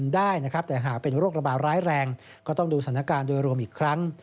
ได้นะครับแต่หากเป็นโรคระบาดร้ายแรงก็ต้องดูสถานการณ์โดยรวมอีกครั้ง